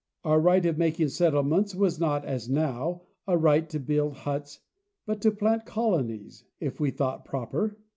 Our right of making settlements was not as now a right to build huts, but to plant colonies, if we thought proper.